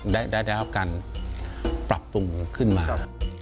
ได้รับการปรับปรุงขึ้นมา